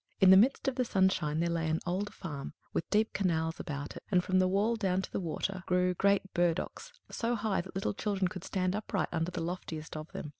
In the midst of the sunshine there lay an old farm, with deep canals about it, and from the wall down to the water grew great burdocks, so high that little children could stand upright under the loftiest of them.